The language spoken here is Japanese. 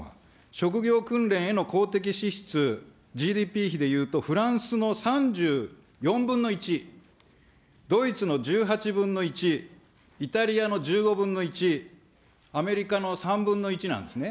職業訓練への公的支出、ＧＤＰ比でいうとフランスの３４分の１、ドイツの１８分の１、イタリアの１５分の１、アメリカの３分の１なんですね。